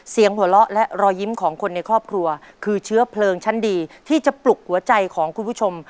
เสียงหัวเราะและรอยยิ้มของคนในครอบครัวคือเชื้อเพลิงชั้นดีที่จะปลุกหัวใจของคุณผู้ชม